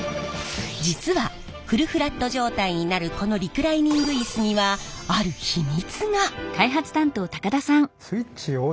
実はフルフラット状態になるこのリクライニングイスにはある秘密が！